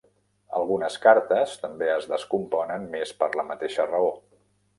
Algunes cartes també es descomponen més per la mateixa raó.